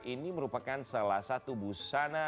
ini merupakan salah satu busana